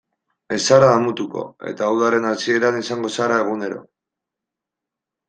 Ez zara damutuko, eta udaren hasieran izango zara egunero.